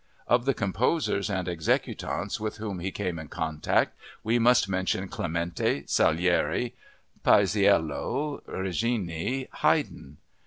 Of the composers and executants with whom he came in contact we must mention Clementi, Salieri, Paisiello, Righini, Haydn.